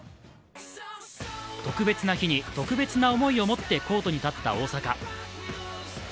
特別な日に特別な思いを持ってコートに立った大坂。